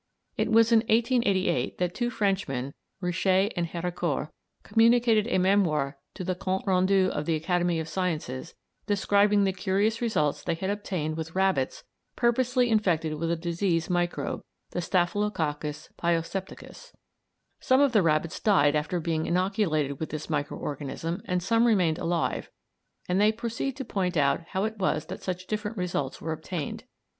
It was in 1888 that two Frenchmen, Richet and Héricourt, communicated a memoir to the Comptes rendus of the Academy of Sciences, describing the curious results they had obtained with rabbits purposely infected with a disease microbe, the Staphylococcus pyosepticus. Some of the rabbits died after being inoculated with this micro organism and some remained alive, and they proceed to point out how it was that such different results were obtained.